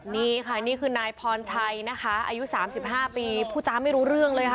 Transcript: นี่ค่ะนี่คือนายพรชัยนะคะอายุ๓๕ปีผู้จ้าไม่รู้เรื่องเลยค่ะ